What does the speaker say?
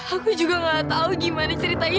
aku juga nggak tahu gimana ceritanya